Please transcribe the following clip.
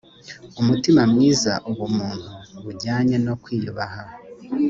umutima mwiza ubumuntu bujyanye no kwiyubaha